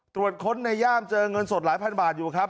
ตรวจค้นในย่ามเจอเงินสดหลายพันบาทอยู่ครับ